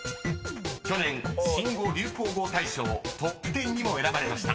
［去年新語・流行語大賞トップテンにも選ばれました］